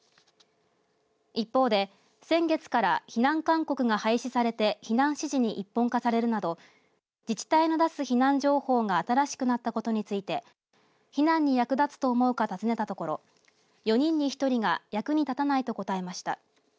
一方で先月から避難勧告が廃止されて避難指示に一本化されるなど自治体の出す避難情報が新しくなったことについて避難に役立つと思うか尋ねたところ４人に１人が役に立たないと答えました。